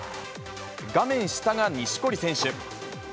画面下が錦織選手。